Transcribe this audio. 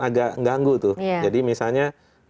agak ganggu tuh jadi misalnya